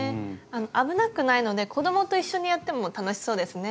あの危なくないので子供と一緒にやっても楽しそうですね。